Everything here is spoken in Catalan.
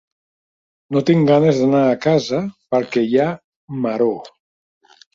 No tinc ganes d'anar a casa perquè hi ha maror.